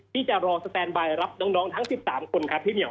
ที่จะรอสแตนบายรับน้องทั้ง๑๓คนครับพี่เหี่ยว